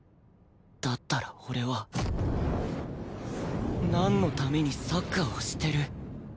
だったら俺はなんのためにサッカーをしてる？